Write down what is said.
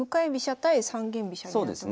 対三間飛車になってますね。